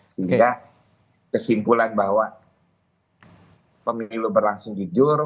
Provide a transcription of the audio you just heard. sehingga kesimpulan bahwa pemilu berlangsung jujur